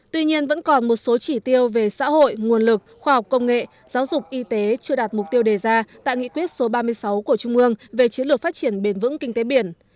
tuy nhiên vẫn còn một số chỉ tiêu về xã hội nguồn lực khoa học công nghệ giáo dục y tế chưa đạt mục tiêu đề ra tại nghị quyết số ba mươi sáu của trung ương về chiến lược phát triển bền vững kinh tế biển